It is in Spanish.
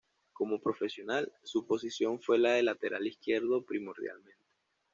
Como profesional, su posición fue la de la lateral izquierdo primordialmente.